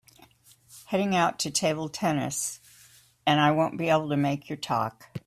Heading out to table tennis and I won’t be able to make your talk.